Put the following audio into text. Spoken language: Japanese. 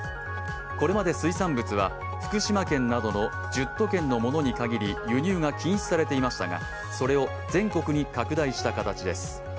これまで水産物は福島県などの１０都県のものなどに輸入が禁止されていましたが、それを全国に拡大した形です。